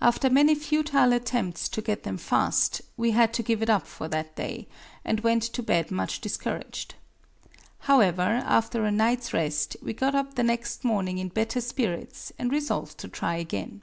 After many futile attempts to get them fast, we had to give it up for that day, and went to bed much discouraged. However, after a night's rest, we got up the next morning in better spirits and resolved to try again.